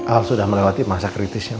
kalau sudah melewati masa kritisnya